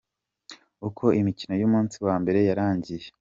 Uko imikino y'umunsi wa mbere yarangiye:.